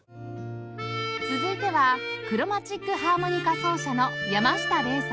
続いてはクロマチックハーモニカ奏者の山下伶さん